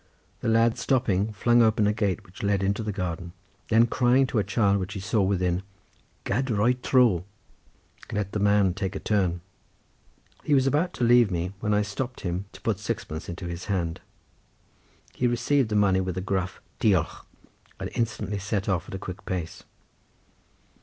The lad stopping flung open a gate which led into the garden, then crying to a child which he saw within: "Gad roi tro"—let the man take a turn; he was about to leave me, when I stopped him to put sixpence into his hand. He received the money with a gruff "Diolch!" and instantly set off at a quick pace.